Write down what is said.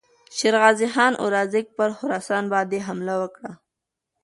شېرغازي خان اوزبک پر خراسان باندې حمله وکړه.